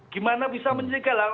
gimana bisa menjegal